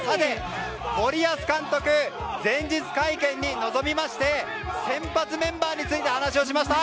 森保監督、前日会見に臨みまして先発メンバーについて話をしました。